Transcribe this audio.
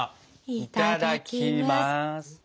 いただきます！